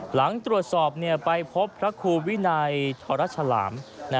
หลังตรวจสอบไปพบพระครูวินัยทรฉลาม